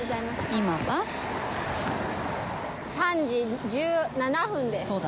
３時１７分です。